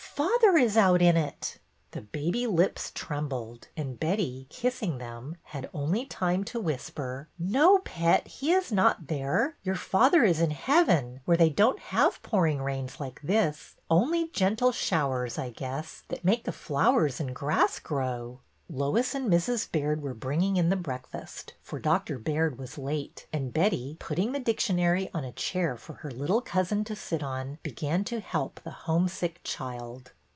'' Father is out in it." The baby lips trembled, and Betty, kissing them, had only time to whisper :'' No, pet, he is not there. Your father is in heaven, where they don't have pouring rains like this ; only gentle showers, I guess, that make the flowers and the grass grow." 1 84 BETTY BAIRD'S VENTURES Lois and Mrs. Baird were bringing in the breakfast, for Dr. Baird was late, and Betty, put ting the dictionary on a chair for het little cousin to sit on, began to help the homesick child.